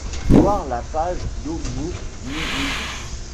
Voir la page d’homonymie.